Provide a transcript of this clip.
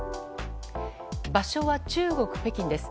場所は中国・北京です。